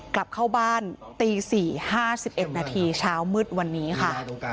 กลับเข้าบ้านตี๔๕๑นาทีเช้ามืดวันนี้ค่ะ